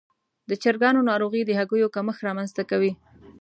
د چرګانو ناروغي د هګیو کمښت رامنځته کوي.